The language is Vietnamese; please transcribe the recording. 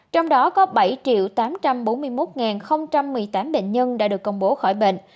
trong đó có bảy tám trăm bốn mươi một một mươi tám bệnh nhân đã được công bố khỏi bệnh